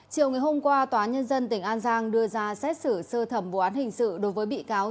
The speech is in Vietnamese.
chiều ngày hôm qua tòa nhân dân tỉnh an giang đưa ra xét xử sơ thẩm vụ án hình sự đối với bị cáo